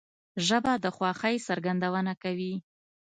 ژبه د خوښۍ څرګندونه کوي